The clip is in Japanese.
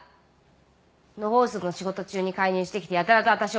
野放図の仕事中に介入してきてやたらと私を追い求めた。